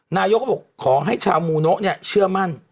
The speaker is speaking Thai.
นายกก็บอกขอให้ชาวมูโนะเชื่อมั่น